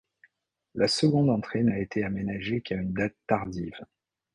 La seconde entrée n'a été aménagée qu'à une date tardive.